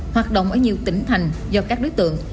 hoạt động ở nhiều tỉnh thành do các đối tượng